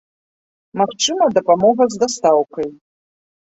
Магчыма дапамога з дастаўкай.